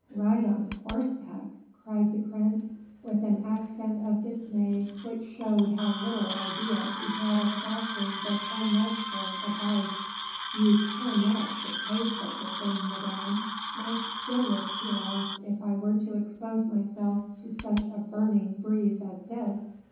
"Ride on horseback!" cried the prince, with an accent of dismay which showed how little idea he had of adopting this unnatural advice; "you cannot suppose such a thing, Madame! My skin would peel off if I were to expose myself to such a burning breeze as this."